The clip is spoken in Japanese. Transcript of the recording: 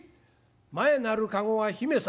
「前なる駕籠は姫様」。